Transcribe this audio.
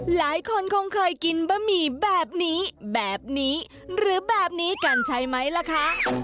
หลายคนคงเคยกินบะหมี่แบบนี้แบบนี้หรือแบบนี้กันใช่ไหมล่ะคะ